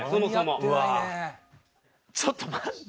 ちょっと待って。